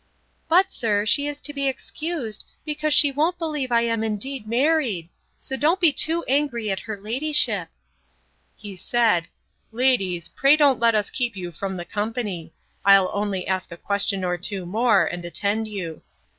But, sir, she is to be excused, because she won't believe I am indeed married; so don't be too angry at her ladyship. He said, Ladies, pray don't let us keep you from the company; I'll only ask a question or two more, and attend you.